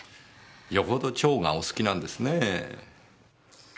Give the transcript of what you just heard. よほど蝶がお好きなんですねぇ。